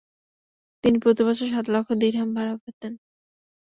তিনি প্রতি বছর সাত লক্ষ দিরহাম ভাড়া পেতেন।